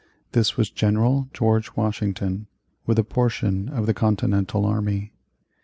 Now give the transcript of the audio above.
This was General George Washington with a portion of the Continental army.